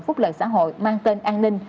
phúc lợi xã hội mang tên an ninh